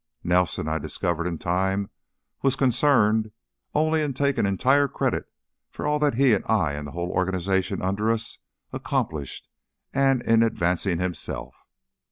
Nelson, I discovered in time, was concerned only in taking entire credit for all that he and I and the whole organization under us accomplished and in advancing himself.